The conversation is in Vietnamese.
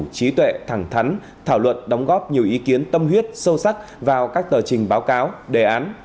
trí tuệ thẳng thắn thảo luận đóng góp nhiều ý kiến tâm huyết sâu sắc vào các tờ trình báo cáo đề án